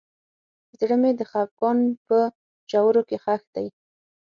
زړه مې د خفګان په ژورو کې ښخ دی.